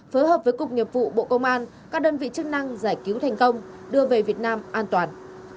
phối hợp với cục nghiệp vụ bộ công an các đơn vị chức năng giải cứu thành công đưa về việt nam an toàn